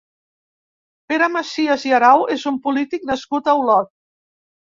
Pere Macias i Arau és un polític nascut a Olot.